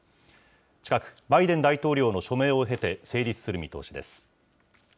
近く、バイデン大統領の署名を経て成立する見通しです。